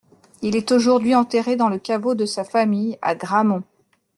Il est aujourd'hui enterré dans le caveau de sa famille, à Grammont.